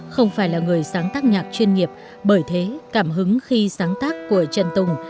không phải là người sáng tác nhạc chuyên nghiệp bởi thế cảm hứng khi sáng tác của trần tùng